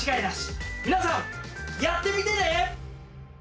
皆さんやってみてね！